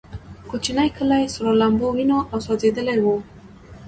کوچنی کلی سرو لمبو ونیو او سوځېدلی و.